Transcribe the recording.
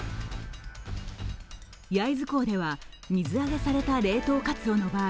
焼津港では水揚げされた冷凍カツオの場合